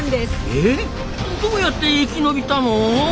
えどうやって生き延びたの？